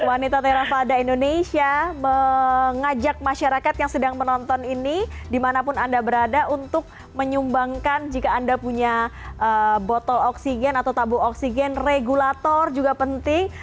wanita terafada indonesia mengajak masyarakat yang sedang menonton ini dimanapun anda berada untuk menyumbangkan jika anda punya botol oksigen atau tabung oksigen regulator juga penting